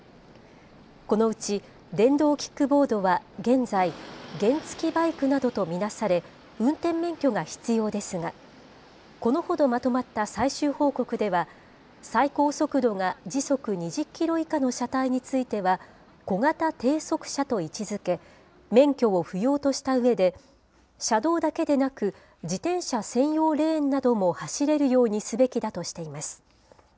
このうち、電動キックボードは現在、原付きバイクなどと見なされ、運転免許が必要ですが、このほどまとまった最終報告では、最高速度が時速２０キロ以下の車体については、小型低速車と位置づけ、免許を不要としたうえで、車道だけでなく、自転車専用レーンなども走れるようにすべきだとしています。